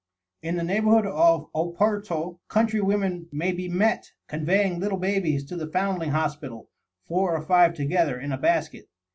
In the neighborhood of Oporto, country women may be met conveying little babies to the Foundling Hospital, four or five together, in a basket.